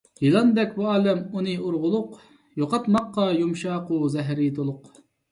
يىلاندەك بۇ ئالەم ئۇنى ئۇرغۇلۇق، يوقاتماققا يۇمشاقۇ، زەھىرى تولۇق.